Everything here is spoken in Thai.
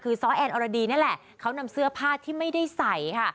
คือซ้อแอนอรดีนี่แหละเขานำเสื้อผ้าที่ไม่ได้ใส่ค่ะ